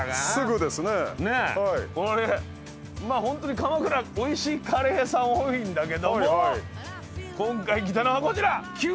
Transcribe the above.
ホントに鎌倉おいしいカレー屋さん多いんだけども今回来たのはこちら。